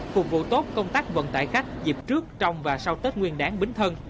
phục vụ tốt công tác vận tải khách dịp trước trong và sau tết nguyên đáng bí thân